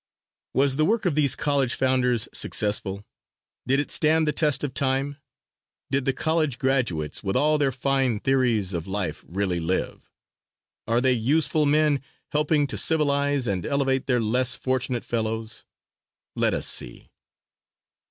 Was the work of these college founders successful; did it stand the test of time? Did the college graduates, with all their fine theories of life, really live? Are they useful men helping to civilize and elevate their less fortunate fellows? Let us see.